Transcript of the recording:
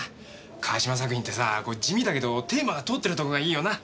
川島作品ってさぁ地味だけどテーマが通ってるところがいいよな。